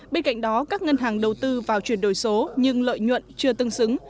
bên cạnh đó các ngân hàng đầu tư vào chuyển đổi số nhưng lợi nhuận chưa tương xứng